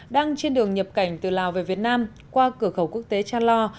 đang trên đường nhập cảnh từ lào về việt nam qua cửa khẩu quốc tế cha lo